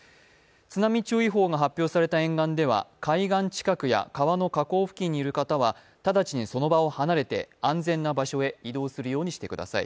津波注意報が発表された沿岸では、海岸近くや川の河口近くにいる方は直ちにその場を離れて安全な場所に移動するようにしてください。